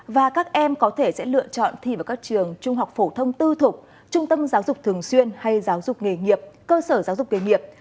và các em có thể sẽ lựa chọn thi vào các trường trung học phổ thông tư thục trung tâm giáo dục thường xuyên hay giáo dục nghề nghiệp cơ sở giáo dục nghề nghiệp